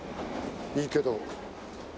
いいけど。